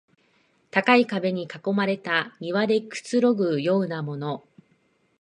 高い壁に囲まれた庭でくつろぐようなもの